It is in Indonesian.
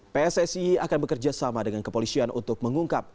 pssi akan bekerja sama dengan kepolisian untuk mengungkap